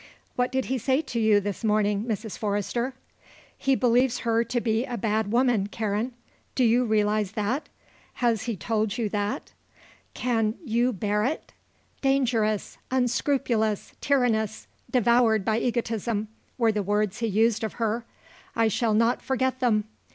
"What did he say to you this morning, Mrs. Forrester?" "He believes her to be a bad woman, Karen; do you realise that; has he told you that; can you bear it? Dangerous, unscrupulous, tyrannous, devoured by egotism, were the words he used of her. I shall not forget them.